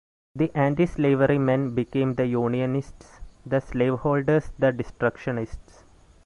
The anti-slavery men became the Unionists, the slaveholders the Destructionists.